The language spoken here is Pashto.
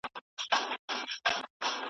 د نن سبا په هیله .